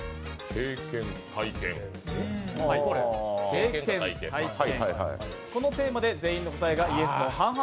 経験・体験。